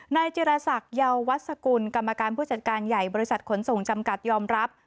นายจิรษักเยาวัสสกุลกรรมการผู้จัดการใหญ่บริษัทขนส่งจำกัดยอมรับ